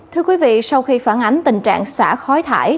thưa quý vị sau khi phản ánh tình trạng xả khói thải